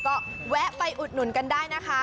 ก็แวะไปอุดหนุนกันได้นะคะ